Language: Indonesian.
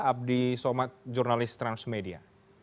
abdi somad jurnalis transmedia